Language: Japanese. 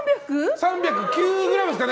３０９ｇですかね。